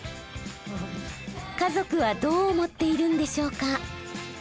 家族はどう思っているんでしょうか？